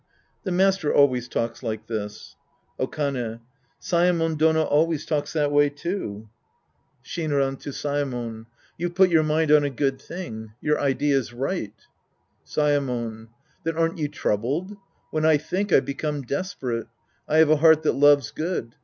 The master always talks like this. Okane. Saemon Dono always talks that way, too. 46 The Priest and His Disciples Act I Shinran {to Saemon). You've put your mind on a good thing. Your idea's right. Saemon. Then aren't you troubled ? When I think, I become desperate. I have a heart that loves good.